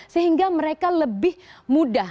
sehingga mereka lebih mudah